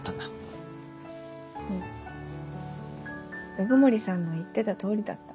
鵜久森さんの言ってた通りだった。